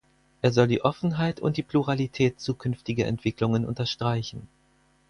Er soll die Offenheit und die Pluralität zukünftiger Entwicklungen unterstreichen.